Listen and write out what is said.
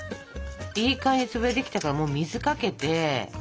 いい感じに潰れてきたからもう水かけて。